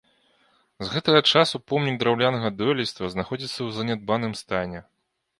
З гэтага часу помнік драўлянага дойлідства знаходзіцца ў занядбаным стане.